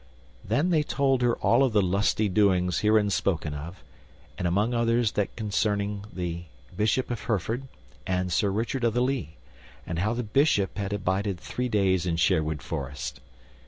Then they told her all of the lusty doings herein spoken of, and among others that concerning the Bishop of Hereford and Sir Richard of the Lea, and how the Bishop had abided three days in Sherwood Forest.